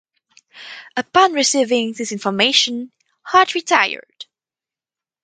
Upon receiving this information, Hoge retired.